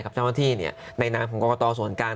กับเจ้าหน้าที่เนี่ยในนั้นของกรกตส่วนกลาง